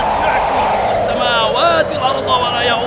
kecuali dengan apa yang mereka inginkan